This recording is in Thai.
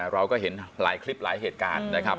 เราก็เห็นหลายคลิปหลายเหตุการณ์นะครับ